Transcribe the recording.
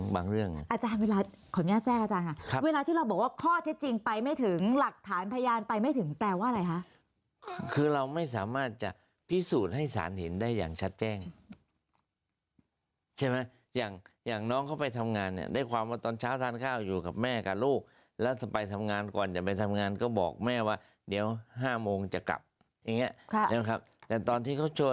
หรือข้อเท็จจริงที่ให้รายละเอียดมากกว่าที่เป็นข่าว